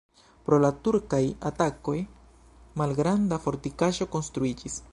Pro la turkaj atakoj malgranda fortikaĵo konstruiĝis.